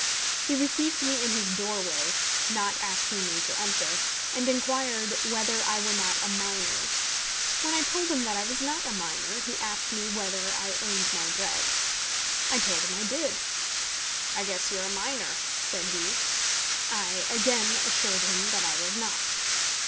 He received me in his doorway, not asking me to enter, and inquired whether I were not a miner. When I told him that I was not a miner, he asked me whether I earned my bread. I told him I did. "I guess you're a miner," said he. I again assured him that I was not.